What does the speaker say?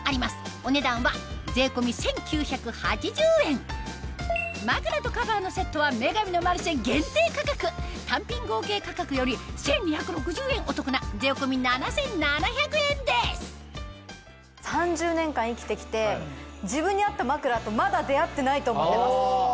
お値段は税込み１９８０円枕とカバーのセットは『女神のマルシェ』限定価格単品合計価格より１２６０円お得な税込み７７００円です３０年間生きてきて自分に合った枕とまだ出合ってないと思ってます。